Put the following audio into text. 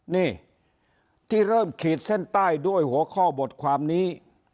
นี่ที่เริ่มขีดเส้นใต้ด้วยหัวข้อบทความนี้